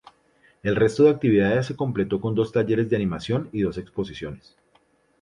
El resto de actividades se completó con dos talleres de animación y dos exposiciones.